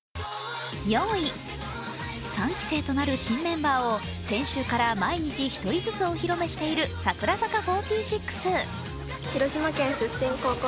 ３期生となる新メンバーを先週から毎日１人ずつお披露目している櫻坂４６。